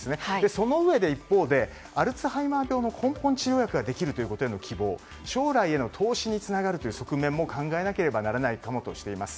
そのうえで一方、アルツハイマー病の根本治療薬ができる希望将来への投資につながるという側面も考えなければならないとしています。